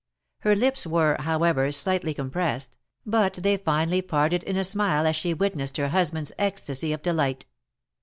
Her lips were, however, slightly com pressed, but they finally parted in a smile as she witnessed her husband's ecstasy of delight.